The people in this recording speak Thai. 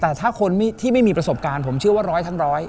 แต่ถ้าคนที่ไม่มีประสบการณ์ผมเชื่อว่าร้อยทั้งร้อย